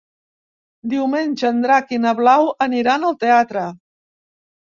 Diumenge en Drac i na Blau aniran al teatre.